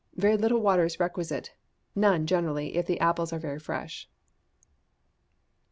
Very little water is requisite: none, generally, if the apples are very fresh. 1021.